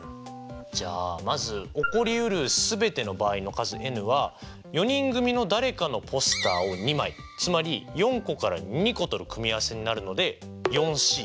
じゃあまず起こりうるすべての場合の数Ｎは４人組の誰かのポスターを２枚つまり４個から２個取る組み合わせになるのでＣ。